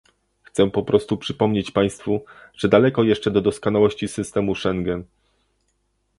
Chcę po prostu przypomnieć państwu, że daleko jeszcze do doskonałości systemu Schengen